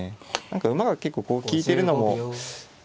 何か馬が結構こう利いてるのも。